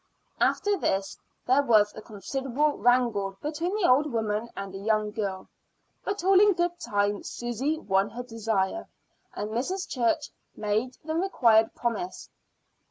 After this there was a considerable wrangle between the old woman and the young girl, but all in good time Susy won her desire, and Mrs. Church made the required promise.